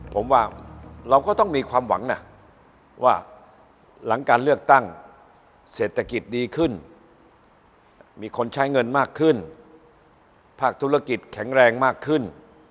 ผมว่าเราก็ต้องมีความหวังนะว่าหลังการเลือกตั้งเศรษฐกิจดีขึ้นมีคนใช้เงินมากขึ้นภาคธุรกิจแข็งแรงมากขึ้น